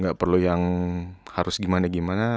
nggak perlu yang harus gimana gimana